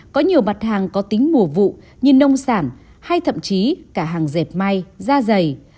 có nhiều mặt hàng có tính mùa vụ như nông sản hay thậm chí cả hàng dệt may da dày